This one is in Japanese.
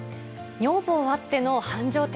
女房あっての繁盛店。